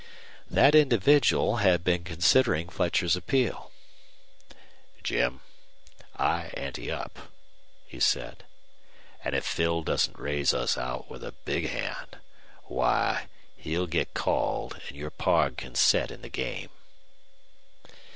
That individual had been considering Fletcher's appeal. "Jim, I ante up," he said, "an' if Phil doesn't raise us out with a big hand why, he'll get called, an' your pard can set in the game."